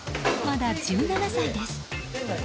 まだ１７歳です。